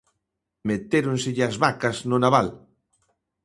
Metéronselle as vacas no nabal.